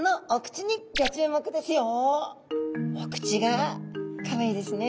皆さまお口がかわいいですね。